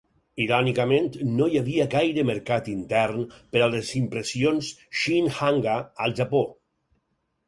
Irònicament, no hi havia gaire mercat intern per a les impressions "shin-hanga" al Japó.